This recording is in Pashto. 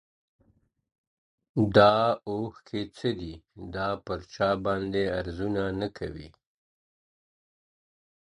دا اوښکي څه دي دا پر چا باندي عرضونه کوې؟.